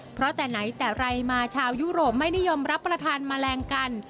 เพราะแต่ไหนแต่ไรมาชาวยุโรปไม่นิยมรับประทานแมลงกัน